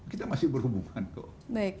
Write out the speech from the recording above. kita masih berhubungan kok